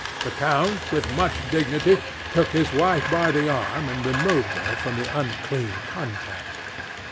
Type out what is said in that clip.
The count, with much dignity, took his wife by the arm, and removed her from the unclean contact.